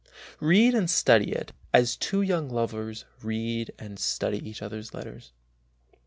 J^ead and study it as two young lovers read and study each othet^s letters.